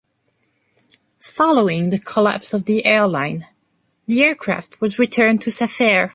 Following the collapse of the airline, the aircraft was returned to Safair.